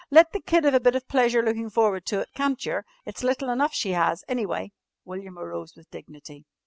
"Let the kid 'ave a bit of pleasure lookin' forward to it, can't yer? It's little enough she 'as, anyway." William arose with dignity.